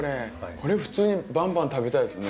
これ普通にバンバン食べたいですね。